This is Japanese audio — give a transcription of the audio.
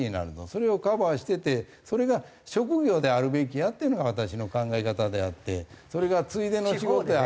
それをカバーしててそれが職業であるべきやっていうのが私の考え方であってそれがついでの仕事やアルバイトであってはいけない。